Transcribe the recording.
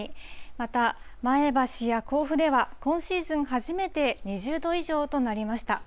また前橋や甲府では今シーズン初めて２０度以上となりました。